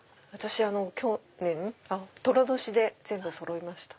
去年とら年で全部そろいました。